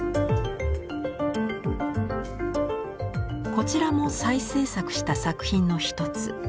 こちらも再制作した作品の一つ。